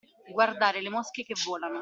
Guardare le mosche che volano.